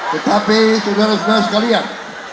tetapi saudara saudara sekalian